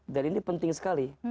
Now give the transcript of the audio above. dan ini penting sekali